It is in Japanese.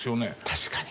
確かに。